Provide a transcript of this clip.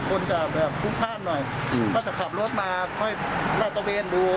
คนจะแบบพลุกพลาดหน่อยก็จะขับรถมาค่อยลาดตะเวนดู